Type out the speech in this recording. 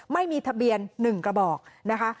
ไม่มีทะเบียน๑กระบอกนะคะ